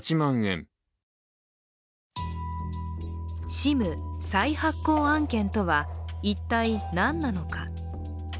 ＳＩＭ再発行案件とは一体何なのか。